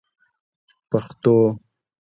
پښتو